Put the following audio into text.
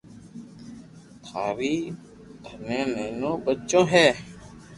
ٿاري نينو نينو ٻچو ھي